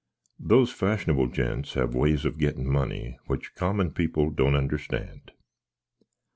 Those fashnabble gents have ways of getten money, witch comman pipple doant understand.